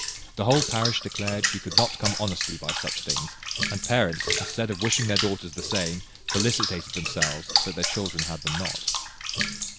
The whole parish declared she could not come honestly by such things; and parents, instead of wishing their daughters the same, felicitated themselves that their children had them not.